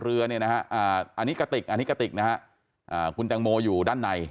เรือเนี่ยนะฮะอันนี้กระติกอันนี้กระติกนะฮะคุณแตงโมอยู่ด้านใน